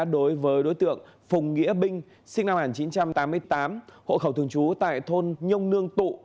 đối với đối tượng phùng nghĩa binh sinh năm một nghìn chín trăm tám mươi tám hộ khẩu thường trú tại thôn nhông nương tụ